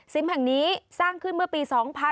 สิมป์แห่งนี้สร้างขึ้นเมื่อปี๒๓๗๕